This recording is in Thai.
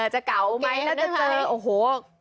จะเก๋าไหมแล้วจะเจอ